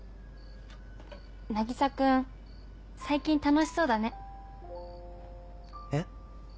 渚君最近楽しそうだねえ？